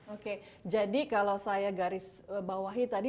oke jadi kalau saya garis bawahi tadi